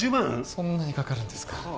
そんなにかかるんですかは